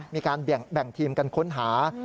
มีการแบ่งทีมกันค้นหา